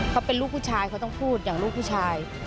เขาเป็นลูกผู้ชายเขาต้องพูดอย่างลูกผู้ชาย